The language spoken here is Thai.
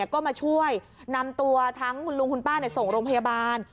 ก็มาช่วยนำตัวทั้งคุณลุงคุณป้าส่งโรงพยาบาล